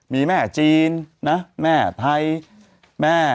มีแม่จีนนะแม่ไทยแม่